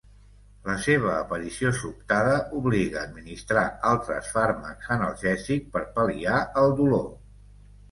La seva aparició sobtada obliga administrar altres fàrmacs analgèsics per pal·liar el dolor.